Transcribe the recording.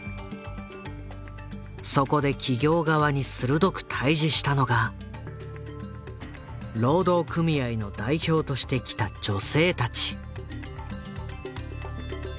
そこで企業側に鋭く対峙したのが労働組合の代表として来た女性たち。